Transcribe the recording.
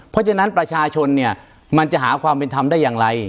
เพราะฉะนั้นประชาชนเนี่ยมันจะหาความเป็นธรรมได้อย่างไร